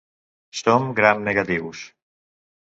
Són gramnegatius.